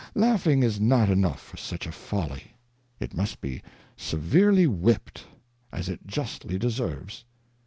Laughing is not enough for such a Folly ; it must be severely whipped, as it justly deserves.